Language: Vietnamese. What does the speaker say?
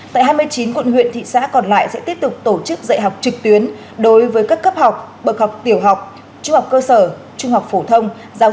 tại hai mươi chín quận huyện thị xã còn lại sẽ tiếp tục tổ chức dạy học trực tuyến đối với các cấp học bậc học tiểu học trung học cơ sở trung học phổ thông